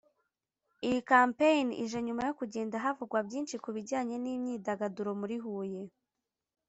Iyi campaign ije nyuma yo kugenda havugwa byinshi kubijyanye n’imyidagaduro muri Huye